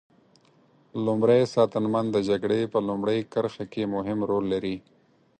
لومری ساتنمن د جګړې په لومړۍ کرښه کې مهم رول لري.